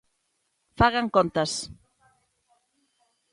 ¡Fagan contas!